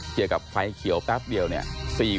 เกี่ยวกับไฟเขียวแป๊บเดียวเนี่ย